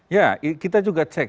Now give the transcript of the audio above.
ya kita juga cek